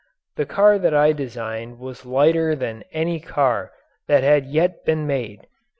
The car that I designed was lighter than any car that had yet been made.